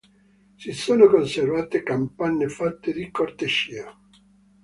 Si sono conservate capanne fatte di corteccia.